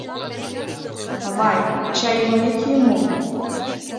— Авай, чайым ынет йӱ мо?